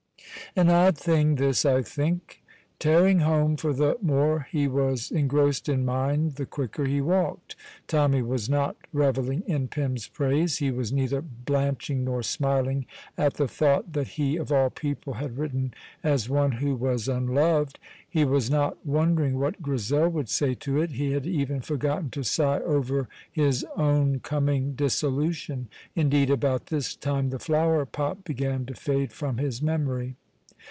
An odd thing, this, I think. Tearing home (for the more he was engrossed in mind the quicker he walked), Tommy was not revelling in Pym's praise; he was neither blanching nor smiling at the thought that he of all people had written as one who was unloved; he was not wondering what Grizel would say to it; he had even forgotten to sigh over his own coming dissolution (indeed, about this time the flower pot began to fade from his memory).